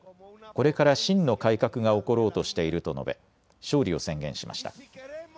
これから真の改革が起ころうとしていると述べ勝利を宣言しました。